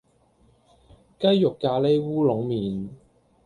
雞肉咖哩烏龍麵